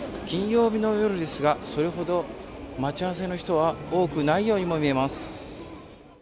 金曜日の夜ですが、それほど待ち合わせの人は多くないようにも見えます。